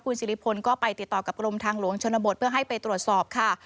สิริพลก็ไปติดต่อกับกรมทางหลวงชนบทเพื่อให้ไปตรวจสอบค่ะ